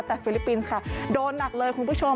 แต่ฟิลิปปินส์ค่ะโดนหนักเลยคุณผู้ชม